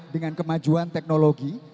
dengan kemajuan teknologi